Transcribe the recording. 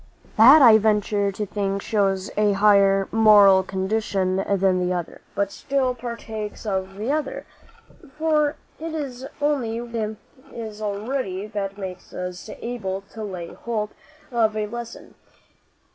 "That, I venture to think, shows a higher moral condition than the other, but still partakes of the other; for it is only what is in us already that makes us able to lay hold of a lesson.